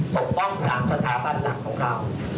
ปกป้อง๓สถาบันหลักของเรา